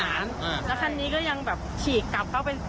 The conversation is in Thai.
แล้วคันนี้ก็ยังแบบฉีกกลับเข้าไป